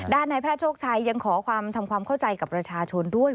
นายแพทย์โชคชัยยังขอความทำความเข้าใจกับประชาชนด้วย